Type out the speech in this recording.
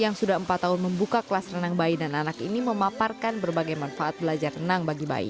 yang sudah empat tahun membuka kelas renang bayi dan anak ini memaparkan berbagai manfaat belajar renang bagi bayi